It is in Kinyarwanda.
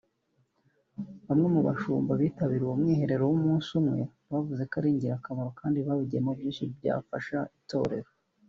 Bamwe mu bashumba bitabiriye uwo mwiherero w’umunsi umwe bavuze ko ari ingirakamaro kandi bawigiyemo byinshi byafasha itorero